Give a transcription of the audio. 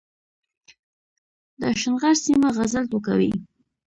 د اشنغر سيمه غزل ټوکوي